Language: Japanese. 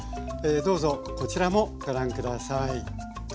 どうぞこちらもご覧下さい。